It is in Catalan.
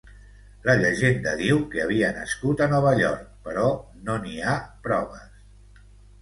La llegenda diu que havia nascut a Nova York, però no n'hi ha proves.